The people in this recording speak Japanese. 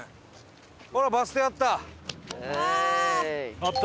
ほらバス停あった！